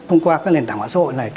thông qua các nền tảng hóa xã hội này